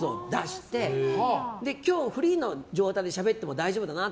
今日、フリーの状態でしゃべっても大丈夫だな